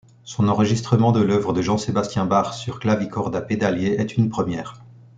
Son enregistrement de l'œuvre de Jean-Sébastien Bach sur clavicorde à pédalier est une première.